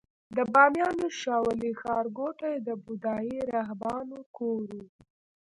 د بامیانو شاولې ښارګوټي د بودايي راهبانو کور و